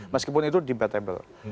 meskipun itu debatable